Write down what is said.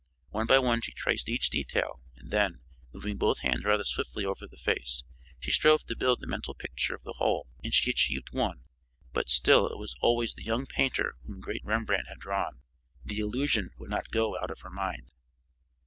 One by one she traced each detail and then, moving both hands rather swiftly over the face, she strove to build the mental picture of the whole and she achieved one, but still it was always the young painter whom great Rembrandt had drawn. The illusion would not go out of her mind.